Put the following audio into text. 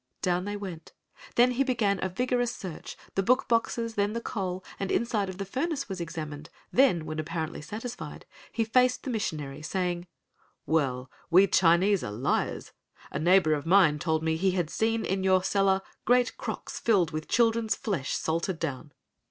Down they went. Then he began a vigorous search, the book boxes, then the coal and inside of the furnace was examined, then, when apparently satisfied, he faced the missionary, saying: "Well, we Chinese are liars. A neighbor of mine told me he had seen in your cellar great crocks filled with children's flesh salted down."